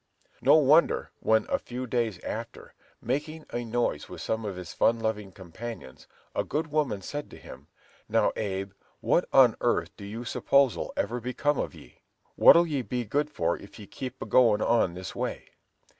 No wonder, when, a few days after, making a noise with some of his fun loving companions, a good woman said to him, "Now, Abe, what on earth do you s'pose'll ever become of ye? What'll ye be good for if ye keep a goin' on in this way?"